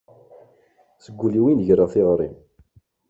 Seg wul-iw i n-greɣ tiɣri.